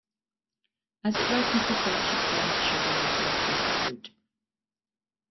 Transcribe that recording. As it ripens the starches turn to sugar making a sweeter fruit.